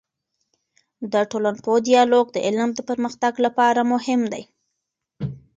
د ټولنپوه ديالوګ د علم د پرمختګ لپاره مهم دی.